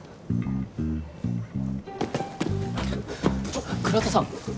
ちょっ倉田さん。